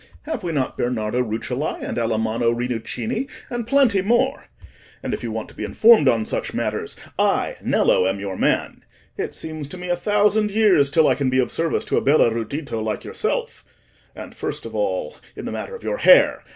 Have we not Bernardo Rucellai, and Alamanno Rinuccini, and plenty more? And if you want to be informed on such matters, I, Nello, am your man. It seems to me a thousand years till I can be of service to a bel erudito like yourself. And, first of all, in the matter of your hair.